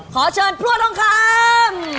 ขอเชิญพ่อทองคำ